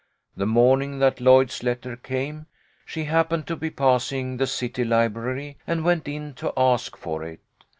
The morning that Lloyd's letter came, she happened to be passing the city library, and went in to ask for it.